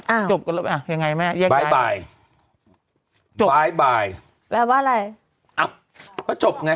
อ้าวจบกันแล้วอ่ะยังไงแม่บ๊ายบายแล้วว่าอะไรอ้าวก็จบไง